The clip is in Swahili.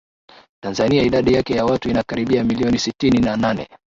Tanzania idadi yake ya watu inakaribia milioni sitini na nane